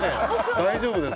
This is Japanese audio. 大丈夫です。